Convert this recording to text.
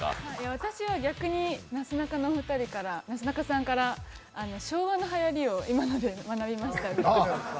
私は逆になすなかさんから昭和のはやりを今まで学びました。